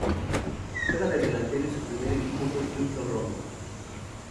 Juega de delantero y su primer equipo fue Clube do Remo.